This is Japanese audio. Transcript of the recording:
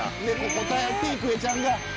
答えて郁恵ちゃんが。